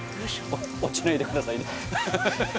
落ちないでくださいね。